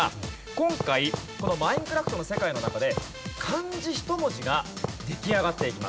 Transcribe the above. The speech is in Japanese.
今回この『マインクラフト』の世界の中で漢字１文字が出来上がっていきます。